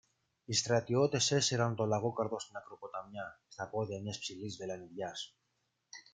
Οι στρατιώτες έσυραν τον Λαγόκαρδο στην ακροποταμιά, στα πόδια μιας ψηλής βαλανιδιάς.